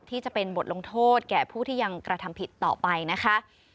ที่จะเป็นบทลงโทษแก่ผู้ที่ยังกระทำผิดต่อไปนะคะ